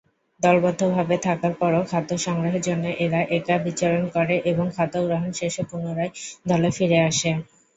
দলবদ্ধ ভাবে থাকার পরও খাদ্য সংগ্রহের জন্য এরা একা বিচরণ করে এবং খাদ্যগ্রহণ শেষে পুররায় দলে ফিরে আসে।